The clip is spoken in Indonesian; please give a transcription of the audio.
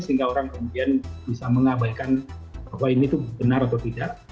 sehingga orang kemudian bisa mengabaikan bahwa ini itu benar atau tidak